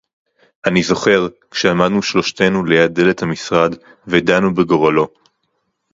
אֲנִי זוֹכֵר, כְּשֶׁעָמַדְנוּ שְׁלָשְׁתֵּנוּ לְיַד דֶּלֶת הַמִּשְׂרָד וְדַנּוּ בְּגוֹרָלוֹ.